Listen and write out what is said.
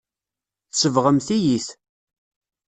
Tsebɣemt-iyi-t.